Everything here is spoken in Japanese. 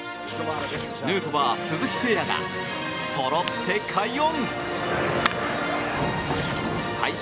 ヌートバー、鈴木誠也がそろって快音！